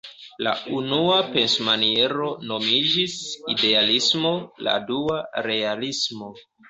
La unua pensmaniero nomiĝis "Idealismo", la dua "Realismo".